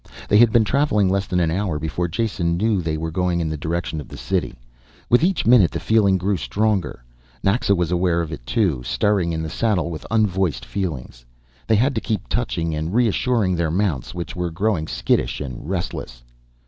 They had been traveling less than an hour before Jason knew they were going in the direction of the city. With each minute the feeling grew stronger. Naxa was aware of it too, stirring in the saddle with unvoiced feelings. They had to keep touching and reassuring their mounts which were growing skittish and restless.